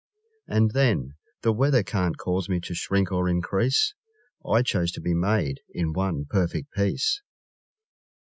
And, then, The weather can't cause me to shrink or increase: I chose to be made in one perfect piece!